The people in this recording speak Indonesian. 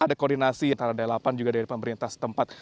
ada koordinasi antara dari lapan juga dari pemerintah setempat